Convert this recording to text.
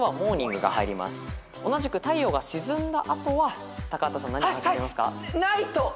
同じく太陽が沈んだ後は高畑さん何が始まりますか？